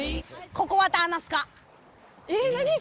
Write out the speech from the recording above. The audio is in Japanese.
ここわたアナスカ。